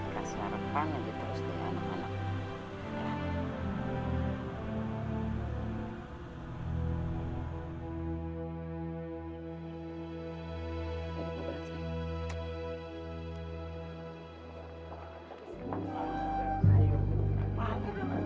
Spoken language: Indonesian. kasar banget dia terus dengan anak anak